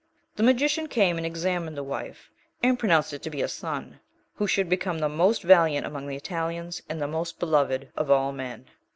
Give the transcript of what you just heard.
The magician came and examined the wife and pronounced it to be a son, who should become the most valiant among the Italians, and the most beloved of all men.